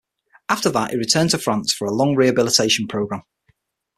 After that he returned to France for a long rehabilitation programme.